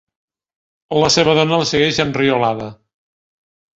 La seva dona el segueix, enriolada.